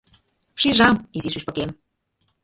— Шижам, изи шӱшпыкем!